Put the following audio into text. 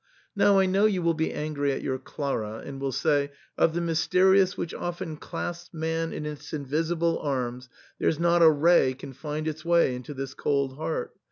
Now I know you will be angry at your Clara, and will say, " Of the Mysterious which often clasps man in its invisible arms there's not a ray can find its way into this cold heart.